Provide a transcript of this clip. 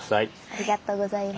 ありがとうございます。